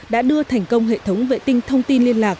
đã đưa thành công hệ thống vệ tinh thông tin liên lạc